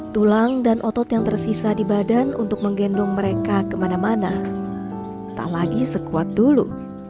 tulang dan otot yang tersisa di badan untuk menggendong mereka kemana mana tak lagi sekuat dulu